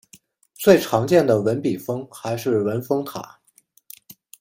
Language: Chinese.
最常见的文笔峰还是文峰塔。